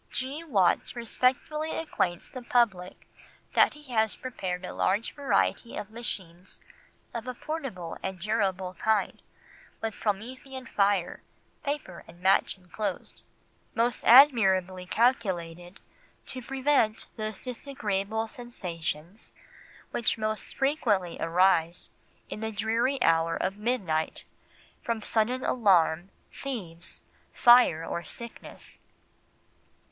"G. Watts respectfully acquaints the public that he has prepared a large variety of machines of a portable and durable kind, with Promethean fire, paper and match enclosed, most admirably calculated to prevent those disagreeable sensations which most frequently arise in the dreary hour of midnight, from sudden alarm, thieves, fire, or sickness."